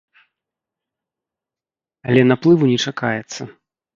Але наплыву не чакаецца.